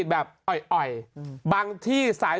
เช็ดแรงไปนี่